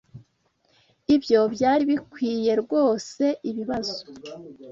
Ibyo byari bikwiye rwose ibibazo.